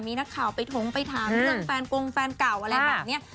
มีนักข่าวไปถงไปถามเรื่องแฟนกงแฟนเก่าอะไรแบบนี้